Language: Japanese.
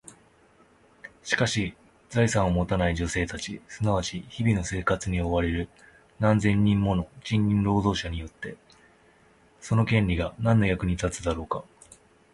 しかし、財産を持たない女性たち、すなわち日々の生活に追われる何千人もの賃金労働者にとって、その権利が何の役に立つのだろうか？